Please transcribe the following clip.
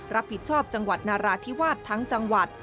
รับผิดชอบจังหวัดนาราธิวาสทั้งจังหวัด